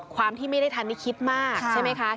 ความที่ไม่ได้ทันนี่คิดมากใช่ไหมคะ